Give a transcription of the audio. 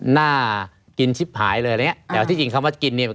น่ากินชิบหายเลยอะไรอย่างเงี้แต่ว่าที่จริงคำว่ากินเนี่ย